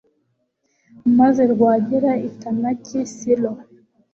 maze rwagera i tanaki silo